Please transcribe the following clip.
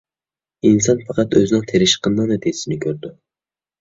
ئىنسان پەقەت ئۆزىنىڭ تىرىشقىنىنىڭ نەتىجىسىنى كۆرىدۇ.